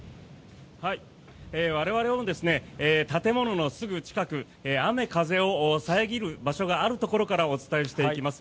我々は建物のすぐ近く雨風を遮る場所があるところからお伝えしていきます。